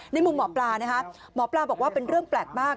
ในมุมหมอปลานะคะหมอปลาบอกว่าเป็นเรื่องแปลกมาก